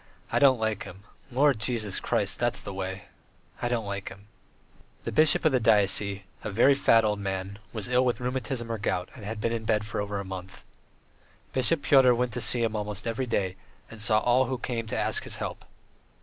I don't like him. Lord Jesus Christ. ... That's the way. I don't like him." III The bishop of the diocese, a very fat old man, was ill with rheumatism or gout, and had been in bed for over a month. Bishop Pyotr went to see him almost every day, and saw all who came to ask his help.